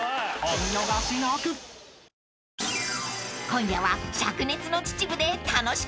［今夜は］